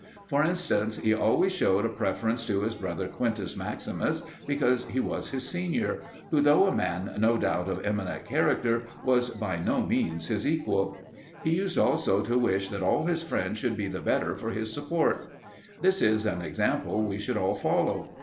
For instance, he always shewed a deference to his brother Quintus Maximus because he was his senior, who, though a man no doubt of eminent character, was by no means his equal. He used also to wish that all his friends should be the better for his support. This is an example we should all follow.